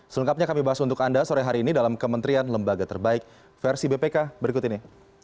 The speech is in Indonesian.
selengkapnya kami bahas untuk anda sore hari ini dalam kementerian lembaga terbaik versi bpk berikut ini